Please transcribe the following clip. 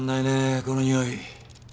このにおい。